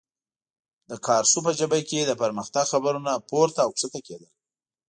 د کارسو په جبهه کې د پرمختګ خبرونه پورته او کښته کېدل.